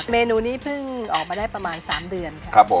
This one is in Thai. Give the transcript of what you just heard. เมนูนี้เพิ่งออกมาได้ประมาณ๓เดือนครับผม